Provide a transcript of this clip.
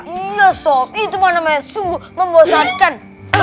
iya sok itu mana main sungguh membosankan